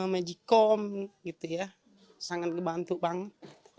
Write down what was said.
magikom gitu ya sangat membantu banget